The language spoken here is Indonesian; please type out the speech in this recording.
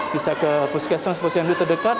bisa ke puskesmas puskesmas yang terdekat